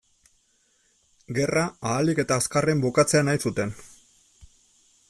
Gerra ahalik eta azkarren bukatzea nahi zuten.